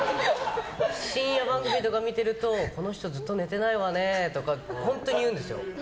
深夜番組とか見てるとこの人ずっと寝てないわねとか本当に言うんですよ。